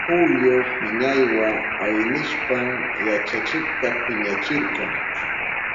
Julio piñaywa aynishpan yachachikta piñachirka.